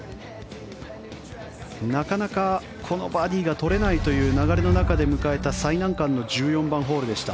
なかなかこのバーディーが取れないという流れの中で迎えた最難関の１４番ホールでした。